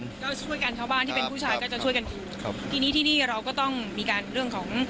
ก็ช่วยกันชาวบ้านที่เป็นผู้ชายก็จะช่วยกันคุยครับทีนี้ที่นี่เราก็ต้องมีการเรื่องของ